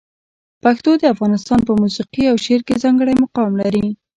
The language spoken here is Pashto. پښتو د افغانستان په موسیقي او شعر کې ځانګړی مقام لري.